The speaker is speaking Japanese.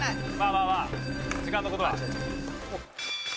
まあまあ時間の事は。